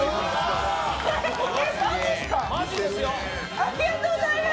ありがとうございます。